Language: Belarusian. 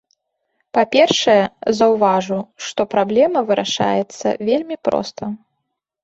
Па-першае, заўважу, што праблема вырашаецца вельмі проста.